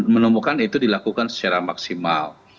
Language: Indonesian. menemukan itu dilakukan secara maksimal